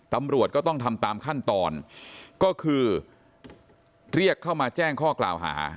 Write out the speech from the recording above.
ตำรวจก็ต้องทำตามขั้นตอนก็คือเรียกเข้ามาแจ้งข้อกล่าวหา